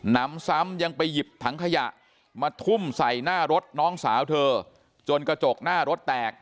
นำซ้ำยังไปหยิบถังขยะมาทุ่มใส่หน้ารถน้องสาวเธอจนกระจกหน้ารถแตก